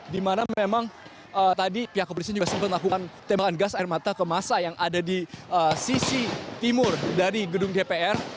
di mana memang tadi pihak kepolisian juga sempat melakukan tembakan gas air mata ke masa yang ada di sisi timur dari gedung dpr